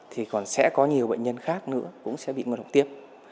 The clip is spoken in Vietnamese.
thì còn sẽ có nhiều bệnh nhân khác nữa cũng sẽ bị ngộ độc tiếp